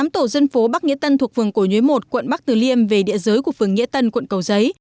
tám tổ dân phố bắc nghĩa tân thuộc phường cổ nhuế một quận bắc tử liêm về địa giới của phường nghĩa tân quận cầu giấy